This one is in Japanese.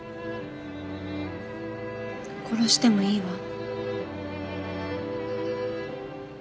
殺してもいいわ。